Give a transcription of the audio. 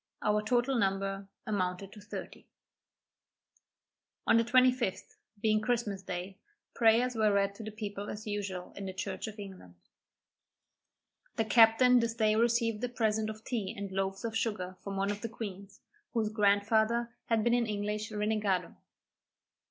Our total number amounted to thirty. On the 25th, being Christmas day, prayers were read to the people as usual in the church of England. The captain this day received a present of tea and loaves of sugar from one of the queens, whose grandfather had been an English renegado.